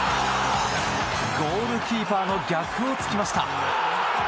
ゴールキーパーの逆を突きました。